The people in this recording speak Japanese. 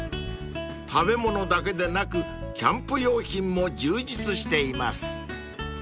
［食べ物だけでなくキャンプ用品も充実しています］